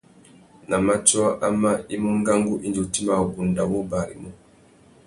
Nà matiō amá, i mú ngangu indi u timba wabunda wô barimú.